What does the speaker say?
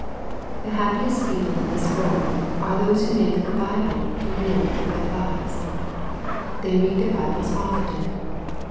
The happiest ' people in this world are those who make the Bible the rule of their lives. The] read their Bibles often.